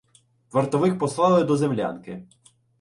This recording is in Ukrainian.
Вартових послали до землянки.